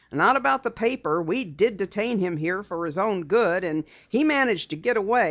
"Not about the paper. We did detain him here for his own good, and he managed to get away.